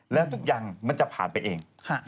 แล้วทุกอย่างมันจะผ่านไปเอง